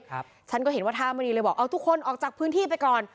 ฉันก็เห็นว่าท่ามณีเลยบอกเอาทุกคนออกจากพื้นที่ไปก่อน